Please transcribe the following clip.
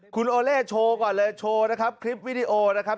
คุณโอเล่โชว์ก่อนเลยโชว์นะครับคลิปวิดีโอนะครับ